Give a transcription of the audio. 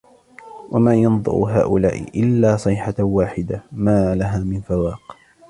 وَمَا يَنْظُرُ هَؤُلَاءِ إِلَّا صَيْحَةً وَاحِدَةً مَا لَهَا مِنْ فَوَاقٍ